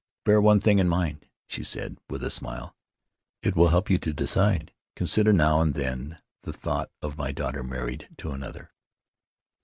"Bear one thing in mind," she said, with a smile; "it will help you to decide. Consider, now and then, the thought of my daughter married to another."